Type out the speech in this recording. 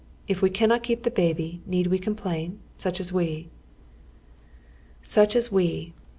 If we cannot keep the baby, need we complain — such as \vc ?" Such as we